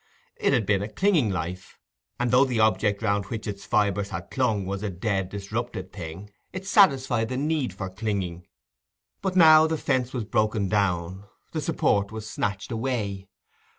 It had been a clinging life; and though the object round which its fibres had clung was a dead disrupted thing, it satisfied the need for clinging. But now the fence was broken down—the support was snatched away.